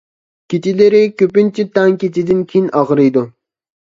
كېچىلىرى كۆپىنچە تەڭ كېچىدىن كېيىن ئاغرىيدۇ.